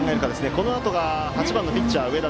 このあと８番のピッチャー、上田。